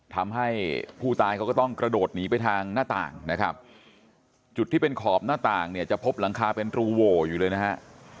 ทำให้ผู้ตายเขาก็ต้องกระโดดหนีไปทางหน้าต่างนะครับจุดที่เป็นขอบหน้าต่างเนี่ยจะพบหลังคาเป็นรูโหวอยู่เลยนะฮะ